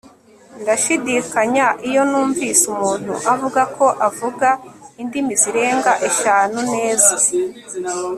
Ndashidikanya iyo numvise umuntu avuga ko avuga indimi zirenga eshanu neza